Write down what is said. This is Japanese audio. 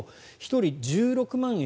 １人１６万円